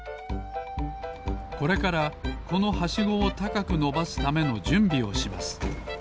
これからこのはしごをたかくのばすためのじゅんびをします。